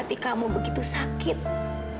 kamila kamu bisa juga ditemui kan